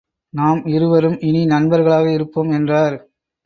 நாம் இருவரும் இனி நண்பர்களாக இருப்போம் என்றார்.